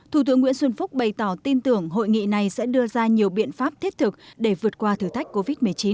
thủ tướng nguyễn xuân phúc bày tỏ tin tưởng hội nghị này sẽ đưa ra nhiều biện pháp thiết thực để vượt qua thử thách covid một mươi chín